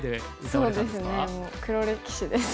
そうですねもう黒歴史です。